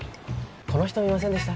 この人見ませんでした？